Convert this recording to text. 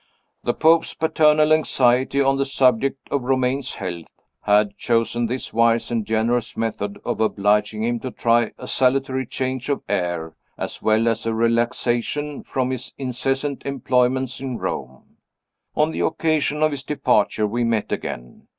The Pope's paternal anxiety on the subject of Romayne's health had chosen this wise and generous method of obliging him to try a salutary change of air as well as a relaxation from his incessant employments in Rome. On the occasion of his departure we met again.